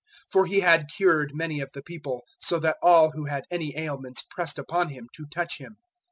003:010 For He had cured many of the people, so that all who had any ailments pressed upon Him, to touch Him.